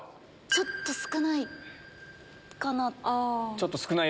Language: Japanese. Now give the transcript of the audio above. ちょっと少ないかな。